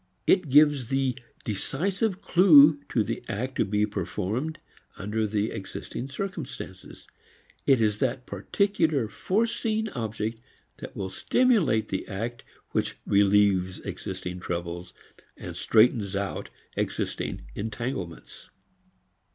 It gives the decisive clew to the act to be performed under the existing circumstances. It is that particular foreseen object that will stimulate the act which relieves existing troubles, straightens out existing entanglements.